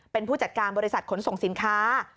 เป็นผู้จัดการบริษัทขนส่งสินค้า